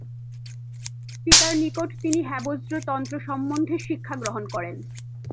পিতার নিকট তিনি হেবজ্র তন্ত্র সম্বন্ধে শিক্ষাগ্রহণ করেন।